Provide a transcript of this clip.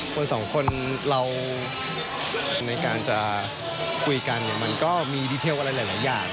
คนสองคนเราในการจะคุยกันเนี่ยมันก็มีดีเทลอะไรหลายอย่าง